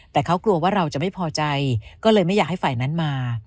แต่เขากลัวว่าเราจะไม่พอใจก็เลยไม่อยากให้ฝ่ายนั้นมา